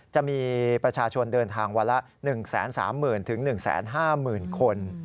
๑๕๑๖๑๗จะมีประชาชนเดินทางวันละ๑๓๐๐๐๐ถึง๑๕๐๐๐๐คน